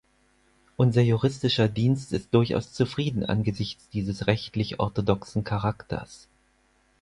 Unser Juristischer Dienst ist durchaus zufrieden angesichts dieses rechtlich orthodoxen Charakters.